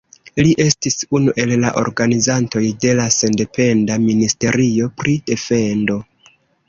Li estis unu el la organizantoj de la sendependa ministerio pri defendo.